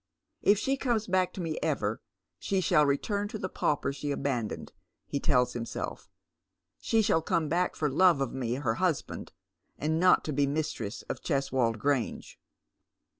If she comes back to me ever she shall return to the pauper she abandoned," he tells himself. " She shall come back for love of me her husband, not to be mistress of Cheswold Grange."